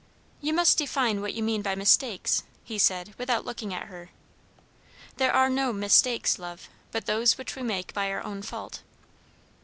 "You must define what you mean by mistakes," he said without looking at her. "There are no mistakes, love, but those which we make by our own fault."